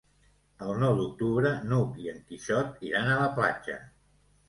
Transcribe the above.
El nou d'octubre n'Hug i en Quixot iran a la platja.